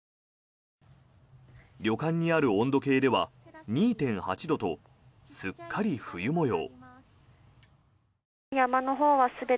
旅館にある温度計では２．８度とすっかり冬模様。